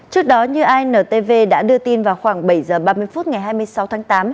trước đó như intv đã đưa tin vào khoảng bảy h ba mươi phút ngày hai mươi sáu tháng tám